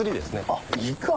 あっイカ。